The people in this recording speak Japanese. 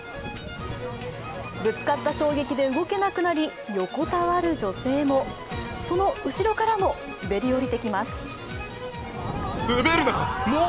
ぶつかった衝撃で動けなくなり横たわる女性もその後ろからも滑り降りてきます。